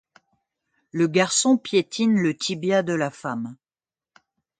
Le garçon piétine le tibia de la femme.